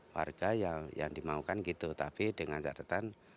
warga yang dimaukan gitu tapi dengan catatan